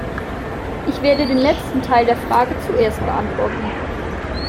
Ich werde den letzten Teil der Frage zuerst beantworten.